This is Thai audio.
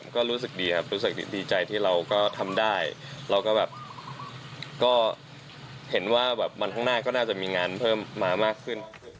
ก็รู้สึกดีครับรู้สึกดีใจที่เราก็ทำได้เราก็แบบก็เห็นว่าแบบวันข้างหน้าก็น่าจะมีงานเพิ่มมามากขึ้น